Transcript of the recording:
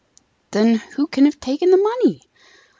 "Then who can have taken the money?"